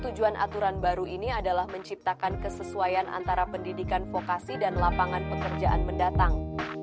tujuan aturan baru ini adalah menciptakan kesesuaian antara pendidikan vokasi dan lapangan pekerjaan mendatang